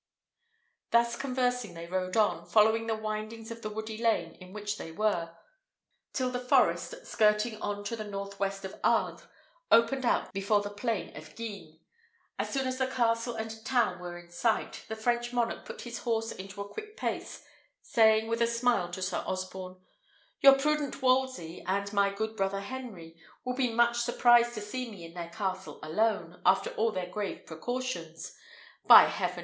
Thus conversing they rode on, following the windings of the woody lane in which they were, till the forest, skirting on to the north west of Ardres, opened out upon the plain of Guisnes. As soon as the castle and town were in sight, the French monarch put his horse into a quick pace, saying with a smile to Sir Osborne, "Your prudent Wolsey and my good brother Henry will be much surprised to see me in their castle alone, after all their grave precautions. By heaven!